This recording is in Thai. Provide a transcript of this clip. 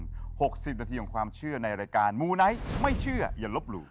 ๖๐นาทีของความเชื่อในรายการมูไนท์ไม่เชื่ออย่าลบหลู่